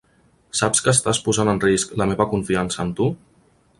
Saps que estàs posant en risc la meva confiança en tu?